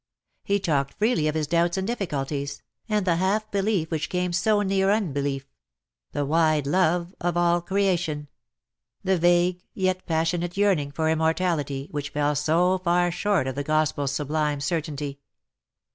He talked freely of his doubts and difficulties, and the half belief which came so near unbelief — the wide love of all creation — the vague yet passionate yearning for immortality which fell so far short of the Gospel's sublime certainty.